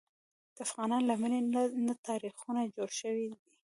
د افغان له مینې نه تاریخونه جوړ شوي دي.